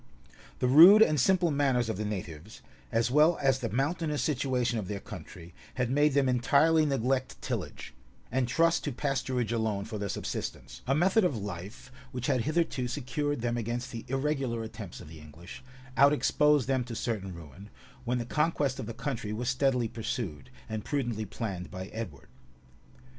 The rude and simple manners of the natives, as well as the mountainous situation of their country, had made them entirely neglect tillage, and trust to pasturage alone for their subsistence; a method of life which had hitherto[*] secured them against the irregular attempts of the English, out exposed them to certain ruin, when the conquest of the country was steadily pursued, and prudently planned by Edward.